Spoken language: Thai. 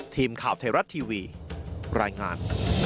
ทีมข่าวไทยรัฐทีวีรายงาน